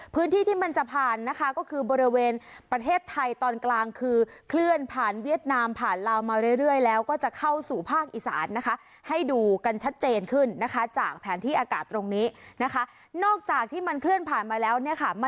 พื้นที่ที่มันจะผ่านนะคะก็คือบริเวณประเทศไทยตอนกลางคือเคลื่อนผ่านเวียดนามผ่านลาวมาเรื่อยเรื่อยแล้วก็จะเข้าสู่ภาคอิสานนะคะ